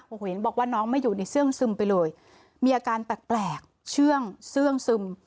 โอ้โหเห็นบอกว่าน้องไม่อยู่ในเสื้องซึมไปเลยมีอาการแปลกเชื่องเสื้องซึม